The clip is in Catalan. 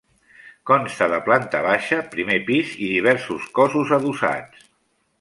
Consta de planta baixa, primer pis i diversos cossos adossats.